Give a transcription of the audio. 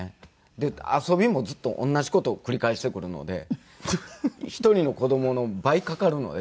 で遊びもずっと同じ事を繰り返してくるので１人の子供の倍かかるので。